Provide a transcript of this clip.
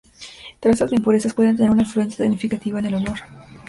Trazas de impurezas pueden tener una influencia significativa en el olor.